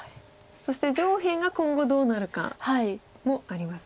そして上辺が今後どうなるかもありますね。